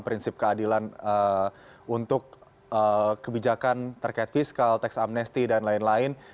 prinsip keadilan untuk kebijakan terkait fiskal teks amnesti dan lain lain